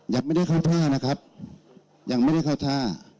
ยังไม่ได้เข้าท่านะครับยังไม่ได้เข้าท่า